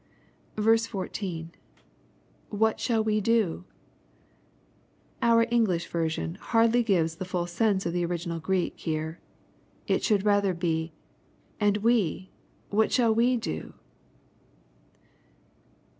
14. — [wluit shall we do f] Our English version hardly gives the full sense of the original Greek here. It should rather be, " and we, what shall we do